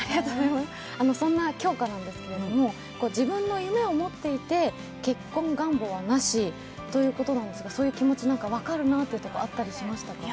そんな杏花なんですけれども、自分の夢を持っていて、結婚願望はなしということなんですが、そういう気持ち、分かるなと思ったところありましたか？